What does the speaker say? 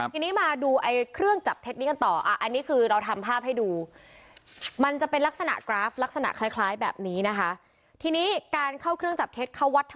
ทีนี้มาดูเครื่องจับเท็จนี้กันต่อ